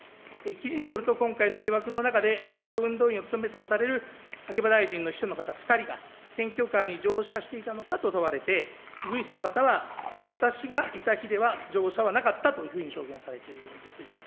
記事によると、今回の疑惑の中で、車上運動員を務めたとされる秋葉大臣の秘書の方２人が、選挙カーに乗車していたのかと問われて、うぐいすの方は私がいた日では乗車はなかったと証言されているんですね。